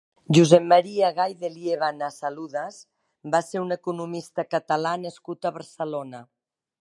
Josep Maria Gay de Liébana Saludas va ser un economista catalâ nascut a Barcelona.